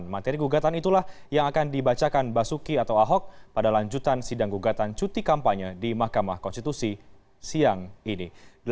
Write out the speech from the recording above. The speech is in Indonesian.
materi gugatan itulah yang akan dibacakan basuki atau ahok pada lanjutan sidang gugatan cuti kampanye di mahkamah konstitusi siang ini